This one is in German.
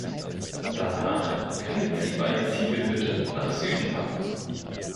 Danach knickt sie bei Ziegelhütte nach Süden ab.